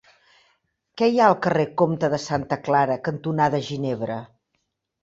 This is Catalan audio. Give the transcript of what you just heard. Què hi ha al carrer Comte de Santa Clara cantonada Ginebra?